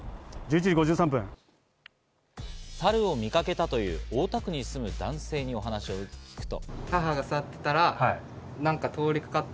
サルを見かけたという大田区に住む男性にお話を聞くと。